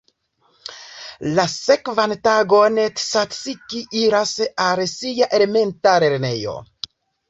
La sekvan tagon Tsatsiki iras al sia elementa lernejo.